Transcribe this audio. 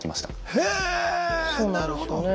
へえなるほど。